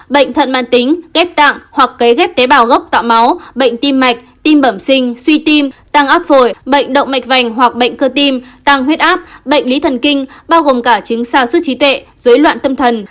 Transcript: bệnh thận mạng tính ghép tạng hoặc cấy ghép tế bào gốc tạo máu bệnh tim mạch tim bẩm sinh suy tim tăng áp phổi bệnh động mạch vành hoặc bệnh cơ tim tăng huyết áp bệnh lý thần kinh bao gồm cả trứng xa suốt trí tuệ dối loạn tâm thần